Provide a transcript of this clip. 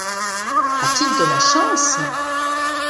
A-t-il de la chance !